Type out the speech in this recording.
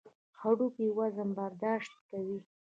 هډوکي وزن برداشت کوي.